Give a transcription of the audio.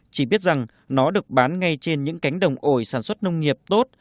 chỉ biết rằng nó được bán ngay trên những cánh đồng ổi sản xuất nông nghiệp tốt